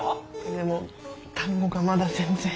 でも単語がまだ全然。